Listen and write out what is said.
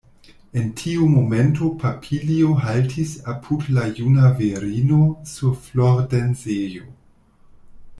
En tiu momento papilio haltis apud la juna virino sur flordensejo.